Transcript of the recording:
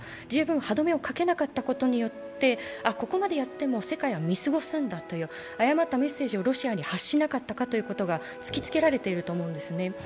十分歯止めをかけなかったことによってここまでやっても世界は見過ごすんだという誤ったメッセージをロシアに発しなかったかということが突きつけられてると思うんですね。